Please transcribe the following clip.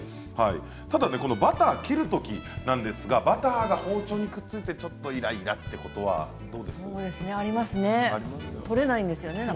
ただバターを切るときなんですがバターが包丁にくっついてちょっとイライラということはありますね。